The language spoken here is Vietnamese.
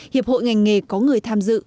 hiệp hội ngành nghề có người tham dự